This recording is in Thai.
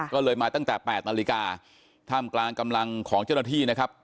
ก็เลยมาตั้งแต่๘นาฬิกาท่ามกลางกำลังของเจ้าหน้าที่นะครับ